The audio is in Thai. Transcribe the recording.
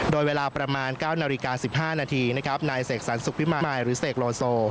โดยเวลาประมาณ๙นาฬิกา๑๕นาทีนะครับนายเสกสรรสุขพิมายมายหรือเสกโลโซ